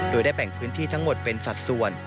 โดยได้แบ่งพื้นที่ทั้งหมดเป็นสัดส่วน